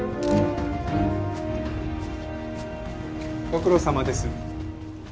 ご苦労さまです。